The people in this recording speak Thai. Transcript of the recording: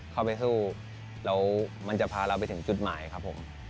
เข้าไปสู้แล้วมันจะพาเราไปถึงจุดหมายครับผม